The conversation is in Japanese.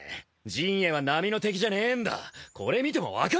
刃衛は並の敵じゃねえんだこれ見ても分かんねえか！